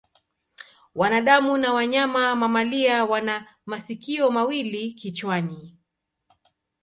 Wanadamu na wanyama mamalia wana masikio mawili kichwani.